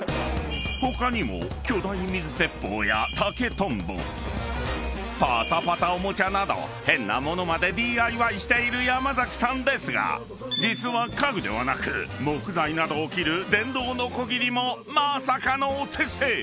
［他にも巨大水鉄砲や竹とんぼぱたぱたオモチャなど変な物までＤＩＹしている山崎さんですが実は家具ではなく木材などを切る電動ノコギリもまさかのお手製！］